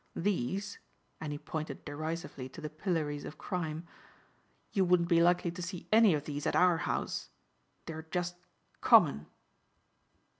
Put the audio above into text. These," and he pointed derisively to the pillories of crime. "You wouldn't be likely to see any of these at our house. They are just common."